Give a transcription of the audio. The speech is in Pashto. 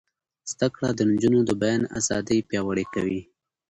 زده کړه د نجونو د بیان ازادي پیاوړې کوي.